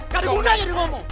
gak digunanya di gomong